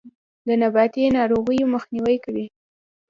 د نباتي ناروغیو مخنیوی کوي.